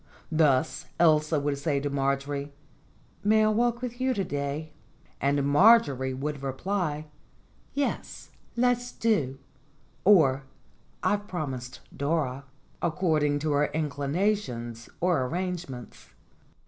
Thus Elsa would say to Marjorie : "May I walk with you to day?" And Marjorie would reply: "Yes, do let's," or "I've promised Dora," ac cording to her inclinations or arrangements.